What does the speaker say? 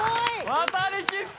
渡りきった！